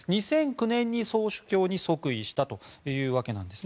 ２００９年に総主教に即位したというわけです。